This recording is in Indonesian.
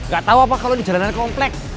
gak tau apa kalo di jalanan komplek